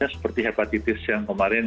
seperti hepatitis yang kemarin